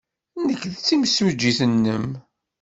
Nekk d timsujjit-nnem.